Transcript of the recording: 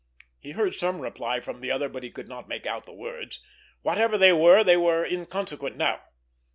He heard some reply from the other, but he could not make out the words. Whatever they were, they were inconsequent now.